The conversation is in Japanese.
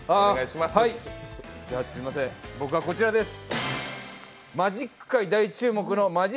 僕はこちらです。